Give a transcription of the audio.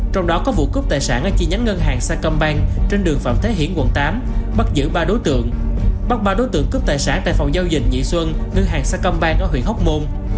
trong đó có vụ cướp tài sản ở chi nhánh ngân hàng sacombank trên đường phạm thế hiển quận tám bắt giữ ba đối tượng bắt ba đối tượng cướp tài sản tại phòng giao dịch nhị xuân ngân hàng sacombank ở huyện hóc môn